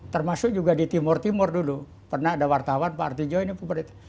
termasuk juga di timur timur dulu pernah ada wartawan pak artijo ini publik